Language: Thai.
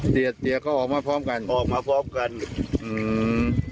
เสียเตี๋ยเขาออกมาพร้อมกันออกมาพร้อมกันอืม